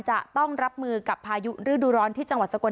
จะต้องรับมือกับพายุฤดูร้อนที่จังหวัดสกล